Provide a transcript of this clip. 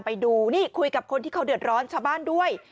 ไปดูนี่คุยกับคนที่เขาเดือดร้อนชาวบ้านด้วย